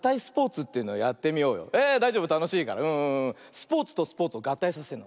スポーツとスポーツをがったいさせるの。